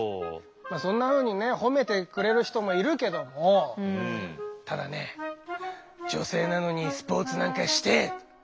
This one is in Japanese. まあそんなふうにね褒めてくれる人もいるけどもただね「女性なのにスポーツなんかして」